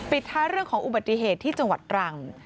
ท้ายเรื่องของอุบัติเหตุที่จังหวัดตรัง